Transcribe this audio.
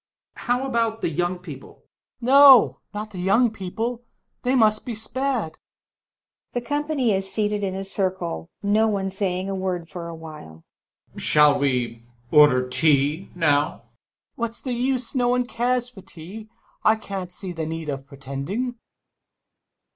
How about the young people? Hummel. No, not the yoimg people! They must be spared. The companj/ is seated in a circle, no one saying a word for a while. Colonel. Shall we order the tea now ? Hummel. What's the use? No one cares for tea, and I can't see the need of pretending.